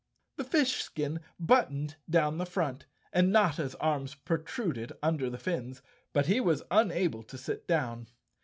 The fish skin buttoned down the front, and Notta's arms protruded under the fins, but he was unable to sit down.